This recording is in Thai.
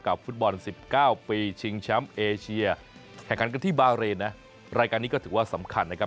ฟุตบอล๑๙ปีชิงแชมป์เอเชียแข่งขันกันที่บาเรนนะรายการนี้ก็ถือว่าสำคัญนะครับ